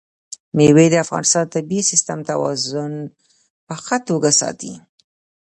مېوې د افغانستان د طبعي سیسټم توازن په ښه توګه ساتي.